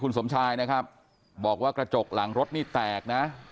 สมชายนะครับบอกว่ากระจกหลังรถนี่แตกนะ